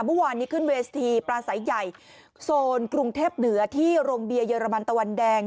เมื่อวานนี้ขึ้นเวทีปลาใสใหญ่โซนกรุงเทพเหนือที่โรงเบียร์เรมันตะวันแดง